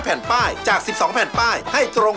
เพราะเราไม่ใช่รถออก